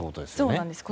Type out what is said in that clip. そうなんです。